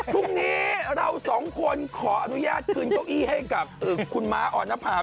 พรุ่งนี้เราสองคนขออนุญาตคืนเก้าอี้ให้กับคุณม้าออนภาพ